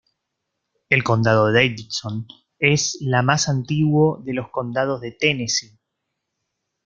El Condado de Davidson es la más antiguo de los condado de Tennessee.